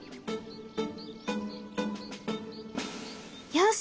よし！